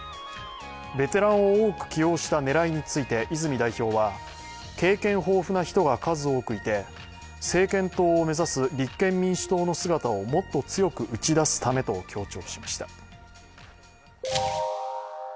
ベテランを多く起用した狙いについて泉代表は経験豊富な人が数多くいて政権党を目指す立憲民主党の姿をもっと強く打ち出すためと強調しました。